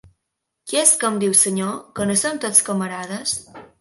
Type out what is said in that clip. Qui és que em diu senyor? Que no som tots camarades?